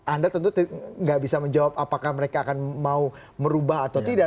anda tentu tidak bisa menjawab apakah mereka akan mau merubah atau tidak